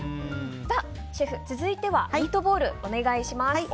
シェフ、続いてはミートボールお願いします。